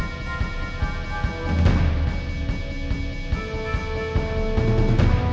sampai jumpa saat lain